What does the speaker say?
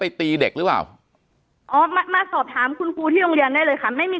ไปตีเด็กหรือว่ามาสอบถามคุณที่โรงเรียนได้เลยค่ะไม่มี